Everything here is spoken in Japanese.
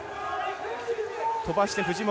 とばして藤本。